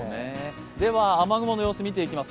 雨雲の様子見ていきます。